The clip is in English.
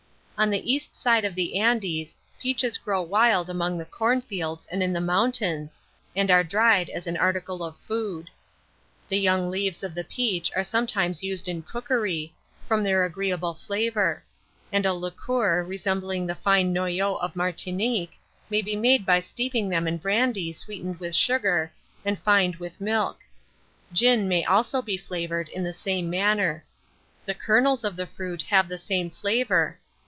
On the east side of the Andes, peaches grow wild among the cornfields and in the mountains, and are dried as an article of food. The young leaves of the peach are sometimes used in cookery, from their agreeable flavour; and a liqueur resembling the fine noyeau of Martinique may be made by steeping them in brandy sweetened with sugar and fined with milk: gin may also be flavoured in the same manner. The kernels of the fruit have the same flavour.